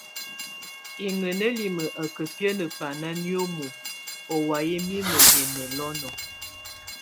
Iŋenelime a ka biəne bana niomo ɔwayɛ mime yɛ nɛlɔnɔ.